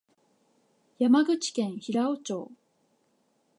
山口県平生町